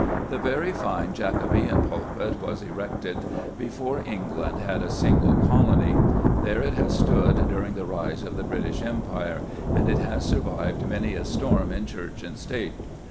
The very fine Jacobean pulpit was erected before England had a single colony. There it has stood during the rise of the British Empire, and it has survived many a storm in Church and State.